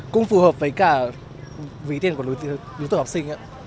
cũng phù hợp với cả ví tiền của đối tượng học sinh ạ